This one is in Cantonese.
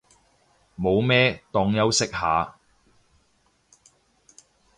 冇咩，當休息下